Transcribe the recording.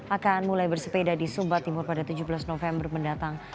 akan mulai bersepeda di sumba timur pada tujuh belas november mendatang